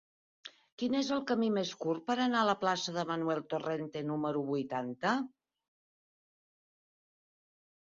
Quin és el camí més curt per anar a la plaça de Manuel Torrente número vuitanta?